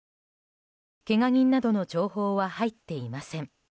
けが人などの情報は入っていません。